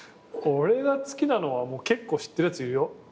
俺が好きなのは結構知ってるやついるよ。